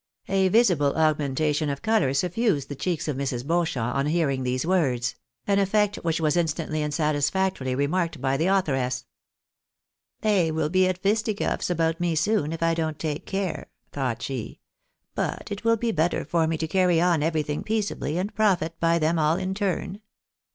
A visible augmentation of colour suffused the cheeks of Mrs. Beauchamp on hearing these words ; an effect which was instantly and satisfactorily remarked by the authoress. 152 THE BARNABYS IN AMERICA. " They will be at fisticuffs about me soon, if I don't take care," thought she, " but it will be better for me to carry on everything peaceably, and profit by them all in turn."